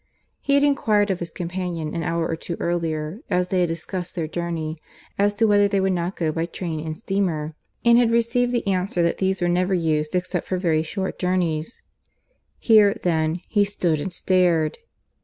He had enquired of his companion an hour or two earlier as they had discussed their journey as to whether they would not go by train and steamer, and had received the answer that these were never used except for very short journeys. Here, then, he stood and stared.